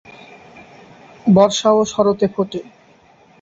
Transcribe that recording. বর্ষা ও শরতে ফোটে।